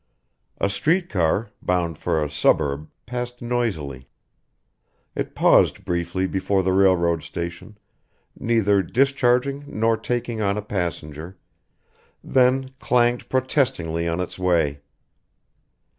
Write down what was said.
A street car, bound for a suburb, passed noisily. It paused briefly before the railroad station, neither discharging nor taking on a passenger, then clanged protestingly on its way.